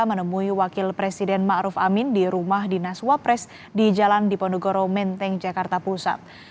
menemui wakil presiden ⁇ maruf ⁇ amin di rumah dinas wapres di jalan diponegoro menteng jakarta pusat